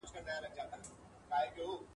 ځوانان د خپل وطن لپاره قرباني ورکوي.